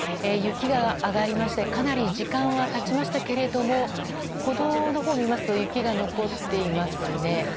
雪が上がりましてかなり時間は経ちましたけれども歩道のほうを見ますと雪が残っていますね。